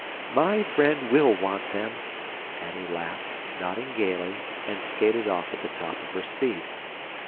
"My friend WILL want them," Annie laughed, nodding gaily, and skated off at the top of her speed.